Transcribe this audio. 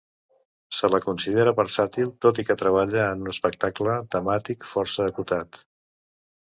Se la considera versàtil, tot i que treballa en un espectre temàtic força acotat.